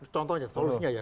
contohnya solusinya ya